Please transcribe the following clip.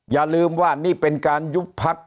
อย่าลืมว่านี่เป็นการยุบพัก